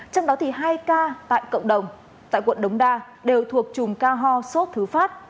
trong đó thì hai ca tại cộng đồng tại quận đống đa đều thuộc chùm ca ho sốt thứ phát